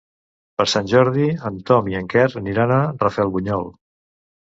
Per Sant Jordi en Tom i en Quer aniran a Rafelbunyol.